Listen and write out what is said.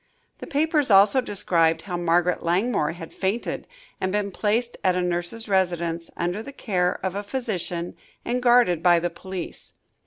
The papers also described how Margaret Langmore had fainted and been placed at a nurse's residence, under the care of a physician and guarded by the police.